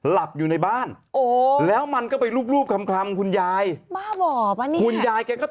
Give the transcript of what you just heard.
หลับอยู่ในบ้านแล้วมันก็ไปลูบคำคุณยาย